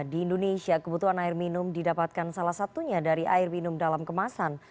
di indonesia kebutuhan air minum didapatkan salah satunya dari air minum dalam kemasan